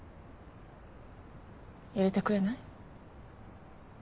入れてくれない？